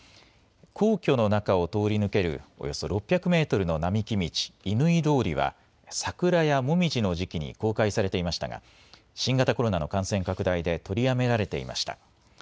皇居の中を通り抜けるおよそ６００メートルの並木道、乾通りはサクラやモミジの時期に公開されていましたが、新型コロナの感染拡大で取りやめられていました。